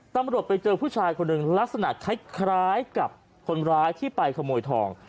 ตำรวจไปเจอผู้ชายคนหนึ่งลักษณะคล้ายกับคนร้ายที่ไปขโมยทอง